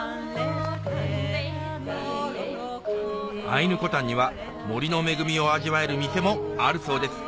アイヌコタンには森の恵みを味わえる店もあるそうです